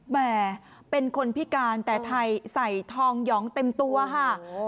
แม่เป็นคนพิการแต่ไทยใส่ทองหยองเต็มตัวค่ะ